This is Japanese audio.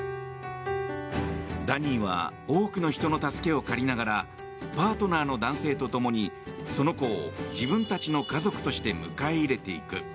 ダニーは多くの人の助けを借りながらパートナーの男性と共にその子を自分たちの家族として迎え入れていく。